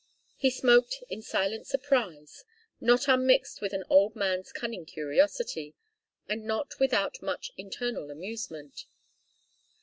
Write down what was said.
He smoked in silent surprise, not unmixed with an old man's cunning curiosity, and not without much internal amusement.